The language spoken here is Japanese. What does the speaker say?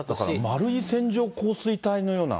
丸い線状降水帯のような。